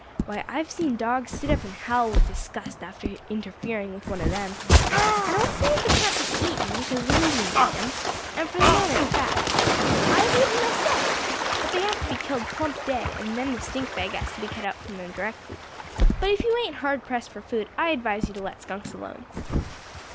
Why, I have seen dogs sit up and howl with disgust after interfering with one of them. I don't say as they can't be eaten, cos the Indians eat them; and, for the matter of that, I have ate them myself. But they have to be killed plump dead, and then the stink bag has to be cut out from them directly; but if you ain't hard pressed for food, I advise you to let skunks alone."